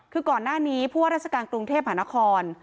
คือก่อนหน้านี้ผู้ว่าราชการกรุงเทพหานคร